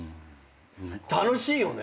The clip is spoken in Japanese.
楽しいよね？